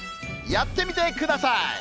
やってみてください！